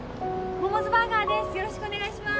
モモズバーガーです